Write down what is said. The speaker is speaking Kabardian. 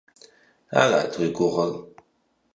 Арат уи гугъэр?